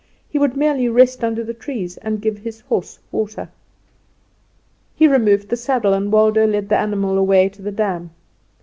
He would merely rest under the trees and give his horse water. He removed the saddle and Waldo led the animal away to the dam.